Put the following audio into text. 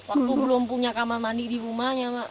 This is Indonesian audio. waktu belum punya kamar mandi di rumahnya mak